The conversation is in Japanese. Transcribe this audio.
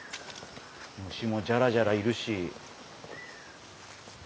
虫もじゃらじゃらいるし。